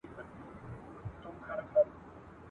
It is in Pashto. ککرۍ دي چي له تن څخه بېلیږي !.